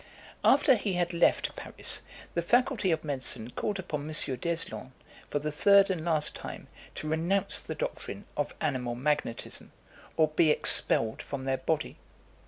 After he had left Paris, the Faculty of Medicine called upon M. D'Eslon, for the third and last time, to renounce the doctrine of animal magnetism, or be expelled from their body.